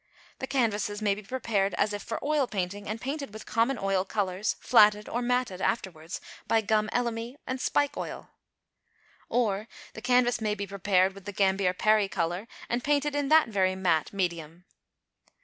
The canvases may be prepared as if for oil painting, and painted with common oil colours flatted (or matted) afterwards by gum elemi and spike oil. Or the canvas may be prepared with the Gambier Parry colour and painted in that very mat medium.